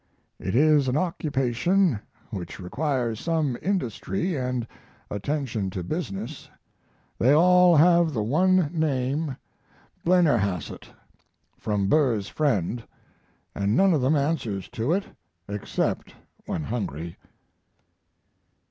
It is an occupation which requires some industry & attention to business. They all have the one name Blennerhasset, from Burr's friend & none of them answers to it except when hungry.